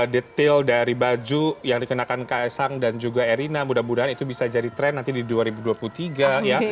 detail dari baju yang dikenakan kaesang dan juga erina mudah mudahan itu bisa jadi tren nanti di dua ribu dua puluh tiga ya